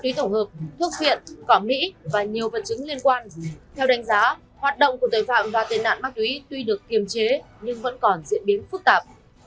tuy được kiềm chế nhưng vẫn còn diễn biến phức tạp